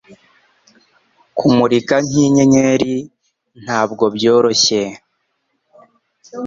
Kumurika nk'inyenyeri ntabwo byoroshye.